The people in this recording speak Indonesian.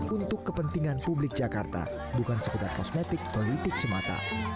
untuk kepentingan publik jakarta bukan sekedar kosmetik politik semata